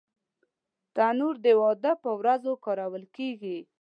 تنور د واده پر ورځو کارول کېږي